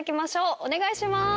お願いします